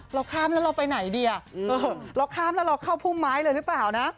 เราข้ามแล้วเราไปไหนดีอ่ะเราข้ามแล้วเราเข้าพุ่มไม้เลยหรือเปล่านะ